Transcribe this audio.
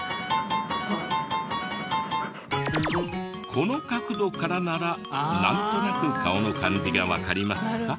この角度からならなんとなく顔の感じがわかりますか？